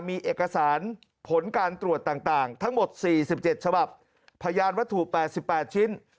มีเอกสารผลการตรวจต่างทั้งหมด๔๗ฉบับพยานวัตถุ๘๘ชิ้น